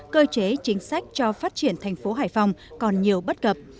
cơ chế chính sách cho phát triển thành phố hải phòng còn nhiều bất cập